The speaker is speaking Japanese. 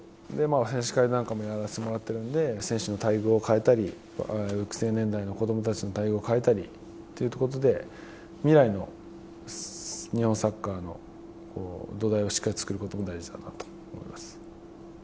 選手会なんかもやらせてもらっているので選手の待遇を変えたり育成年代の子供たちの対応を変えたりということで未来の日本サッカーの土台をしっかり作ることも大事だなと考えています。